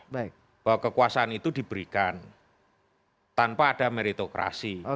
bahwa kekuasaan itu diberikan tanpa ada meritokrasi